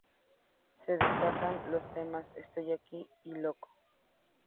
Se destacan los temas ""Estoy Aquí"" y ""Loco"".